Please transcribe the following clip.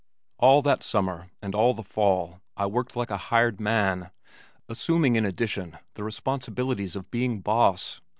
All that summer and all the fall I worked like a hired man, assuming in addition the responsibilities of being boss.